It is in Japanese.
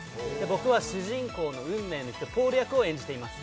僕は主人公の運命の人ポール役を演じています